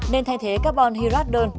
nên thay thế carbon hydrate đơn